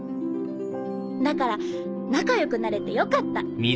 だから仲良くなれてよかった。